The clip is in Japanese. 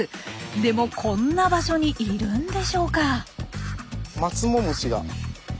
でもこんな場所にいるんでしょうか？